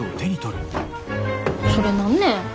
それ何ね？